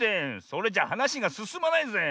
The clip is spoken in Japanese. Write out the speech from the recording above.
それじゃはなしがすすまないぜ。